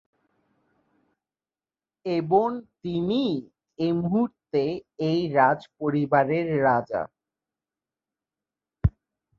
এবং তিনিই এই মুহূর্তে এই রাজ পরিবারের রাজা।